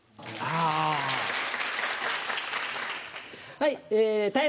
はい。